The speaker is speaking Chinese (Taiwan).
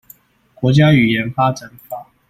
國家語言發展法